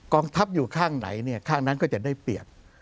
องทัพอยู่ข้างไหนเนี่ยข้างนั้นก็จะได้เปรียบ